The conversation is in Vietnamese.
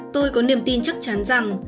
tôi có niềm tin chắc chắn rằng